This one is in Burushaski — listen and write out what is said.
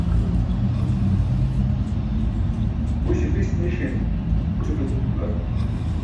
Buśe bis niṣin ćʰup etum juwan.